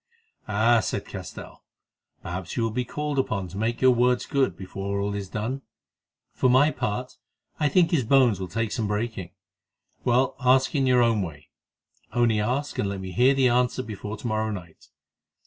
"Ah!" said Castell, "perhaps you will be called upon to make your words good before all is done. For my part, I think his bones will take some breaking. Well, ask in your own way—only ask and let me hear the answer before to morrow night.